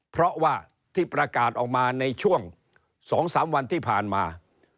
เพราะว่าที่ประกาศออกมาในช่วง๒๓วันที่ผ่านมา